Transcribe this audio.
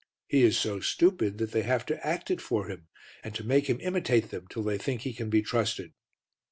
He is so stupid that they have to act it for him, and to make him imitate them till they think he can be trusted.